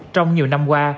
trong nhiều năm qua